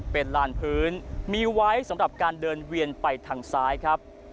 เป็นลานพื้นมีไว้สำหรับการเดินเวียนไปทางซ้ายครับ